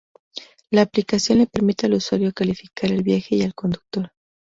La aplicación le permite al usuario calificar el viaje y al conductor.